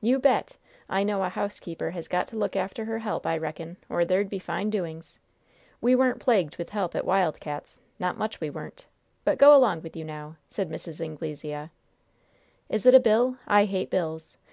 "You bet! I know a housekeeper has got to look after her help, I reckon, or there'd be fine doings. We weren't plagued with help at Wild Cats' not much we weren't! But go along with you now!" said Mrs. Anglesea. "Is it a bill? I hate bills!